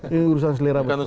ini urusan selera betul